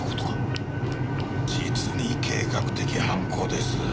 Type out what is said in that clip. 実に計画的犯行です。